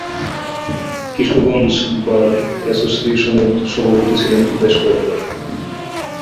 Kishoreganj bar অ্যাসোসিয়েশনের সভাপতি ছিলেন বেশ কয়েকবার।